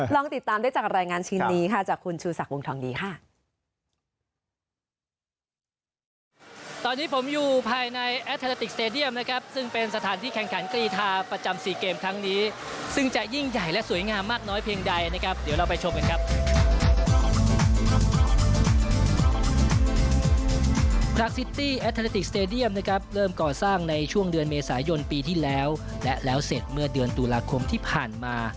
ติดตามได้จากรายงานชิ้นนี้ค่ะจากคุณชูศักดิ์วงทองดีค่ะ